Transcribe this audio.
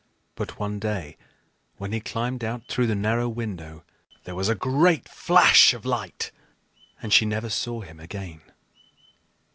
But one day when he climbed out through the narrow window there was a great flash of light, and she never saw him again.